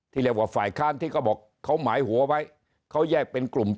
เรียกว่าฝ่ายค้านที่เขาบอกเขาหมายหัวไว้เขาแยกเป็นกลุ่ม